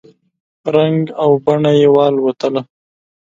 رنګ او بڼه یې والوتله !